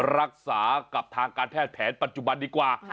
รักษากับทางการแพทย์แผนปัจจุบันดีกว่า